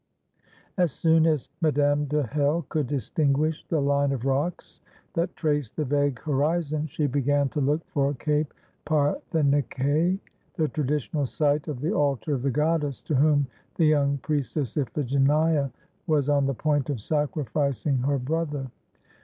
As soon as Madame de Hell could distinguish the line of rocks that traced the vague horizon, she began to look for Cape Partheniké, the traditional site of the altar of the goddess, to whom the young priestess Iphigenia was on the point of sacrificing her brother.